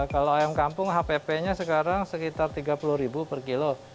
kalau ayam kampung hpp nya sekarang sekitar rp tiga puluh per kilo